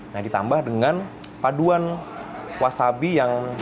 nah ditambah dengan paduan kuasabi yang